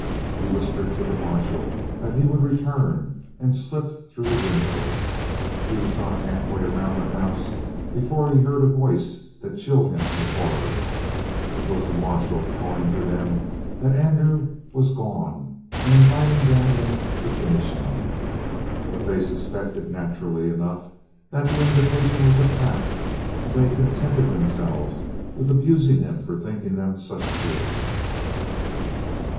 He whispered to the marshal that he would return, and slipped through the window. He was not halfway around the house before he heard a voice that chilled him with horror. It was the marshal calling to them that Andrew was gone and inviting them in to finish him. But they suspected, naturally enough, that the invitation was a trap, and they contented themselves with abusing him for thinking them such fools.